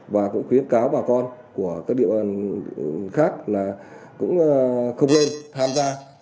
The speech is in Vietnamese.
và cũng khuyến cáo bà con của các địa bàn khác là cũng không nên tham gia